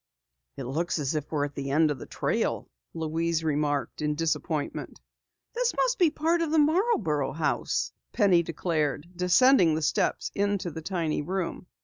"It looks as if we're at the end of the trail," Louise remarked in disappointment. "This must be part of the Marborough house," Penny declared, descending the steps into the tiny room.